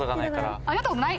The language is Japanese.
やったことない？